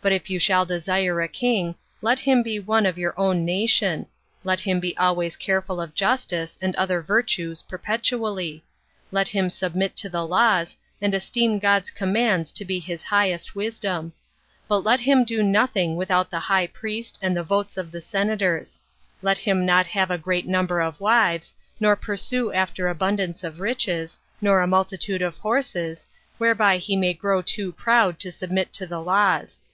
But if you shall desire a king, let him be one of your own nation; let him be always careful of justice and other virtues perpetually; let him submit to the laws, and esteem God's commands to be his highest wisdom; but let him do nothing without the high priest and the votes of the senators: let him not have a great number of wives, nor pursue after abundance of riches, nor a multitude of horses, whereby he may grow too proud to submit to the laws.